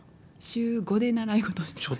週５で習い事してました。